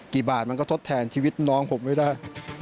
กี่บาทมันก็ทดแทนชีวิตน้องผมไม่ได้